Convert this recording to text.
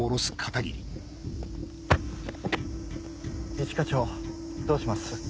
一課長どうします？